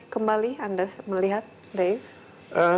kembali anda melihat dave